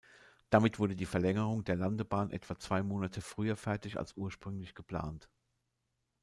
Damit wurde die Verlängerung der Landebahn etwa zwei Monate früher fertig als ursprünglich geplant.